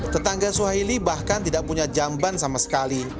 tetangga suhaili bahkan tidak punya jamban sama sekali